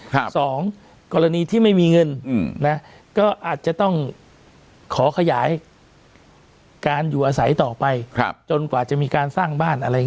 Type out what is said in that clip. สองกรณีที่ไม่มีเงินอืมนะก็อาจจะต้องขอขยายการอยู่อาศัยต่อไปครับจนกว่าจะมีการสร้างบ้านอะไรอย่าง